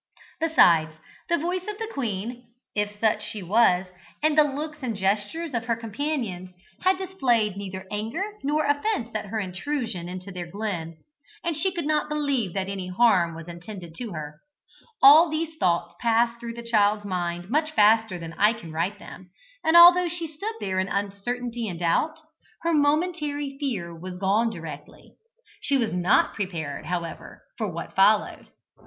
Besides, the voice of the queen (if such she was), and the looks and gestures of her companions, had displayed neither anger nor offence at her intrusion into their glen, and she could not believe that any harm was intended to her. All these thoughts passed through the child's mind much faster than I can write them, and although she stood there in uncertainty and doubt, her momentary fear was gone directly. She was not prepared, however, for what followed.